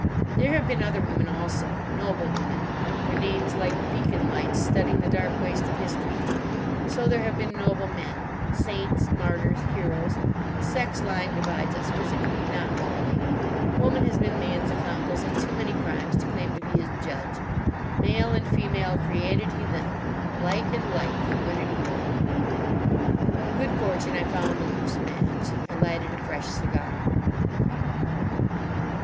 There have been other women also—noble women, their names like beacon lights studding the dark waste of history. So there have been noble men—saints, martyrs, heroes. The sex line divides us physically, not morally. Woman has been man's accomplice in too many crimes to claim to be his judge. 'Male and female created He them'—like and like, for good and evil." By good fortune I found a loose match. I lighted a fresh cigar.